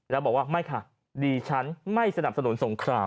แล้วบอกว่าไม่ค่ะดีฉันไม่สนับสนุนสงคราม